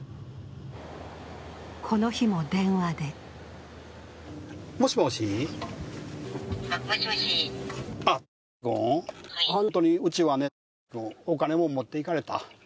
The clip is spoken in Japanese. この日も電話でもしもし、本当にうちはね、お金も持っていかれた。